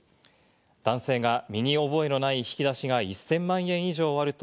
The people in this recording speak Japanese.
男性が身に覚えのない引き出しが１０００万円以上あると